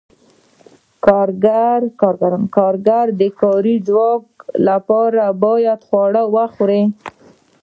کارګر د کاري ځواک لپاره باید خواړه وخوري.